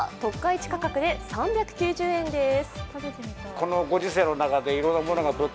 市価格で３９０円です。